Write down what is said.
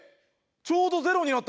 ちょうどゼロになった。